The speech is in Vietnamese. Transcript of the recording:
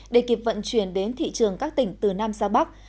để kịp vận chuyển đến thị trường các tỉnh từ nam ra bắc